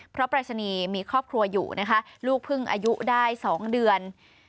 ปรายศนีย์มีครอบครัวอยู่นะคะลูกเพิ่งอายุได้๒เดือน